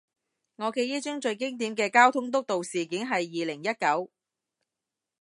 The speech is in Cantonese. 我記憶中最經典嘅交通督導事件係二零一九